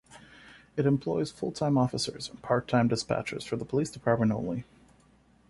It employs full-time officers and part-time dispatchers for the police department only.